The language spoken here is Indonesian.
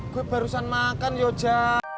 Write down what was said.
gue barusan makan yoja